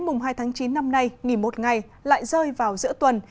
mùng hai tháng chín năm nay nghỉ một ngày lại rơi vào giữa tuần